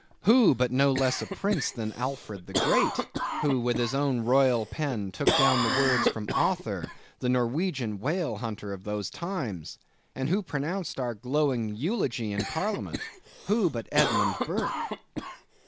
Who, but no less a prince than Alfred the Great, who, with his own royal pen, took down the words from Other, the Norwegian whale hunter of those times! And who pronounced our glowing eulogy in Parliament? Who, but Edmund Burke!